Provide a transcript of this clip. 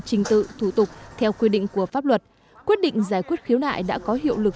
trình tự thủ tục theo quy định của pháp luật quyết định giải quyết khiếu nại đã có hiệu lực